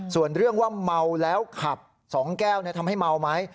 ส่วนเรื่องว่าเมาแล้วขับ๒แก้วทำให้เมาไหม